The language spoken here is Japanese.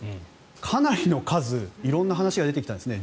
かなりの数、色んな話が出てきたんですね。